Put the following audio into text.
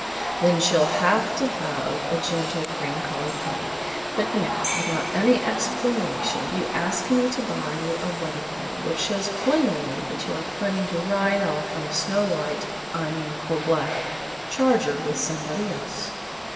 "Then she shall have a gentle cream colored pony; but now, without any explanation, you ask me to buy you a wedding ring, which shows plainly that you are planning to ride off on a snow white I mean coal black charger with somebody else."